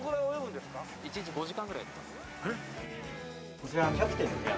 こちらキャプテンの部屋。